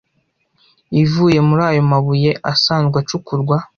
ivuye muri ayo mabuye asanzwe acukurwa,